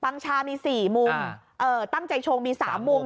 ังชามี๔มุมตั้งใจชงมี๓มุม